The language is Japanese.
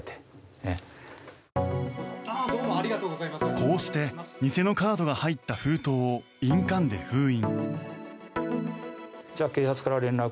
こうして偽のカードが入った封筒を印鑑で封印。